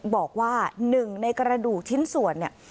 บอกว่า๑ในกระดูกชิ้นสวนนี้